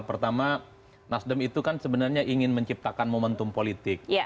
pertama nasdem itu kan sebenarnya ingin menciptakan momentum politik